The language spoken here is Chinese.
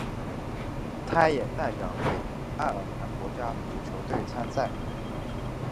他也代表北爱尔兰国家足球队参赛。